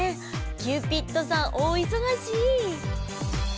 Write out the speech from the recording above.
キューピッドさん大いそがし！